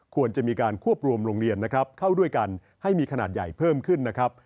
ควรจะมีการควบรวมโรงเรียนนะครับเข้าด้วยกันให้มีขนาดใหญ่เพิ่มขึ้นนะครับ